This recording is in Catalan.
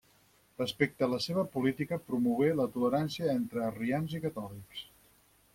Respecte a la seva política, promogué la tolerància entre arrians i catòlics.